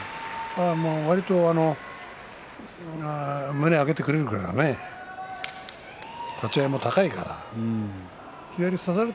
わりと胸を開けてくれるから立ち合いも高いから。